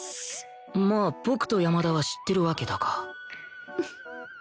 まあ僕と山田は知ってるわけだが